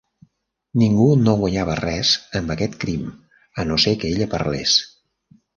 Ningú no guanyava res amb aquest crim, a no ser que ella parlés.